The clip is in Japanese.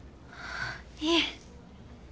いえ。